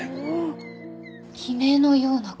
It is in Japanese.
悲鳴のような声？